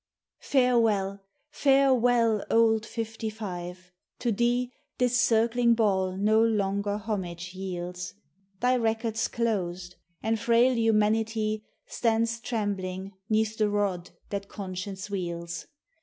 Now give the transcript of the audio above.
_ Farewell, farewell, old Fifty five! to thee, This circling ball no longer homage yields; Thy record's closed, and frail humanity Stands trembling 'neath the rod that conscience wields.